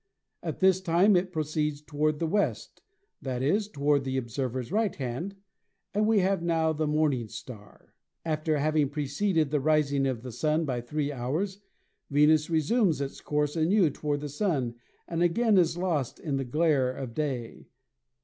At this time it proceeds toward the west, that is, toward the observer's right hand, and we have now the "morning star." After having preceded the rising of the Sun by three hours, Venus resumes its course anew toward the Sun and again is lost in the glare of day.